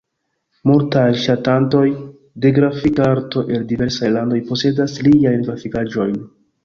Multaj ŝatantoj de grafika arto el diversaj landoj posedas liajn grafikaĵojn.